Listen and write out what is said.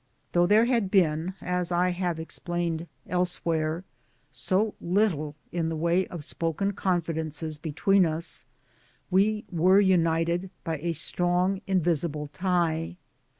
Though there had been (as I have explained elsewhere) so little in the way of spoken confidences between us, we were united by a strong invisible tie.